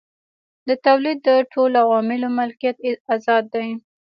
د تولید د ټولو عواملو ملکیت ازاد دی.